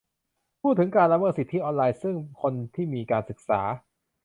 พูดถึงการละเมิดสิทธิออนไลน์ ซึ่งคนที่มีการศึกษา